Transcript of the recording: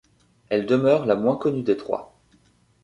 Elle demeure la moins connue des trois.